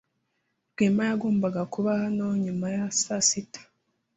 Rwema yagombaga kuba hano nyuma ya saa sita.